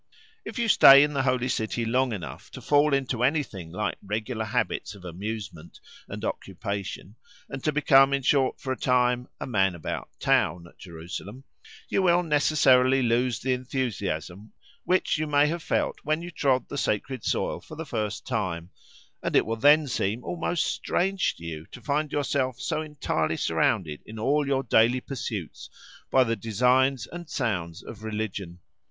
If you stay in the Holy City long enough to fall into anything like regular habits of amusement and occupation, and to become, in short, for the time "a man about town" at Jerusalem, you will necessarily lose the enthusiasm which you may have felt when you trod the sacred soil for the first time, and it will then seem almost strange to you to find yourself so entirely surrounded in all your daily pursuits by the designs and sounds of religion.